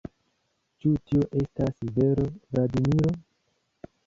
Ĉu tio estas vero, Vladimiro?